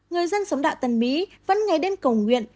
người dân sống đạo tân mỹ vẫn nghe đến cầu nguyện